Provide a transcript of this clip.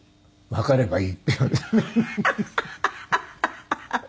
「わかればいい」って。